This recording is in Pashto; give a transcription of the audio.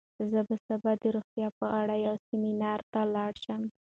زه به سبا د روغتیا په اړه یو سیمینار ته لاړ شم.